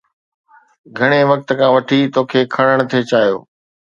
گهڻي وقت کان وٺي توکي کڻڻ ٿي چاهيو.